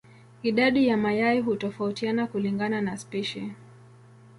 Idadi ya mayai hutofautiana kulingana na spishi.